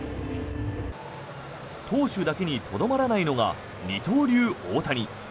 投手だけにとどまらないのが二刀流・大谷。